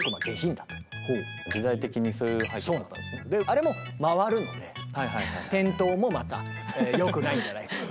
あれも回るので転倒もまたよくないんじゃないかと。